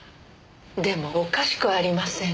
でもおかしくありません？